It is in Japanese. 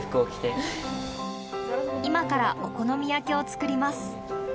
今からお好み焼きを作ります。